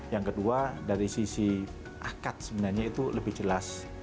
yang kedua dari sisi akad sebenarnya itu lebih jelas